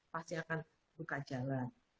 pasti akan buka jalan